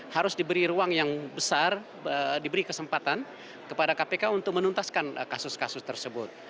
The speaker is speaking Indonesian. harus diberi ruang yang besar diberi kesempatan kepada kpk untuk menuntaskan kasus kasus tersebut